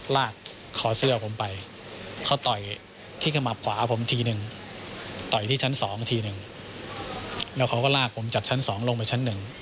แล้วเขาก็ลากผมจากชั้นสองลงไปชั้นหนึ่ง